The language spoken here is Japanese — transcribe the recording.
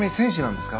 僕ですか？